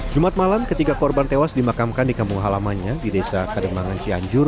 jumat malam ketiga korban tewas dimakamkan di kampung halamannya di desa kademangan cianjur